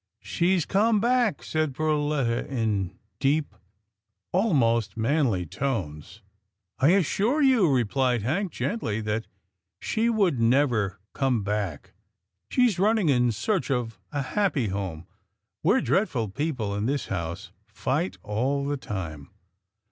" She's come back," said Perletta in deep, almost manly tones. " I assure you," replied Hank gently, " that she would never come back. She is running in search of a happy home. We're dreadful people in this house — fight all the time."